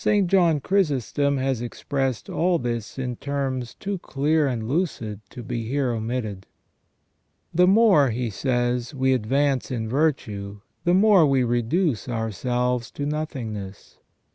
135 St. John Chrysostom has expressed all this in terms too clear and lucid to be here omitted. "The more," he says, "we advance in virtue, the more we reduce ourselves to nothingness.